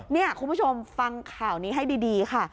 นี่คุณผู้ชมฟังข่าวนี้ให้ดีค่ะ